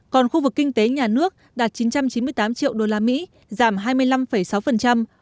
còn khu vực kinh tế nhà nước đạt chín trăm chín mươi tám triệu usd giảm hai mươi năm sáu